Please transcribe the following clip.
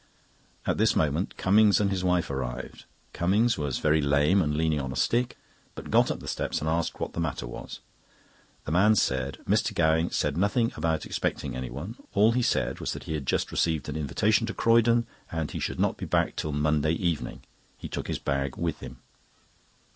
At this moment Cummings and his wife arrived. Cummings was very lame and leaning on a stick; but got up the steps and asked what the matter was. The man said: "Mr. Gowing said nothing about expecting anyone. All he said was he had just received an invitation to Croydon, and he should not be back till Monday evening. He took his bag with him."